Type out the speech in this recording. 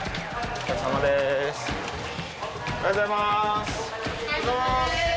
おはようございます。